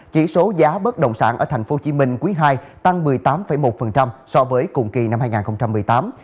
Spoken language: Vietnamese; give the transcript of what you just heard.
chỉ số giá bất động sản ở tp hcm quý ii tăng một mươi tám một so với cùng kỳ năm hai nghìn một mươi tám